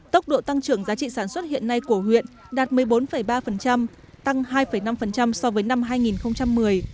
tốc độ tăng trưởng giá trị sản xuất hiện nay của huyện đạt một mươi bốn ba tăng hai năm so với năm hai nghìn một mươi